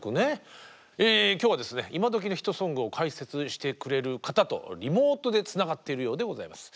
今日は今どきのヒットソングを解説してくれる方とリモートでつながっているようでございます。